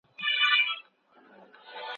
د ميرمني حيثيت ساتل د خاوند دنده ده.